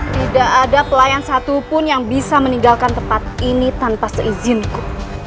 tidak ada pelayan satupun yang bisa meninggalkan tempat ini tanpa seizinku